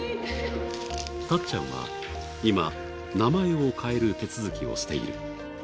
たっちゃんは今、名前を変える手続きをしている。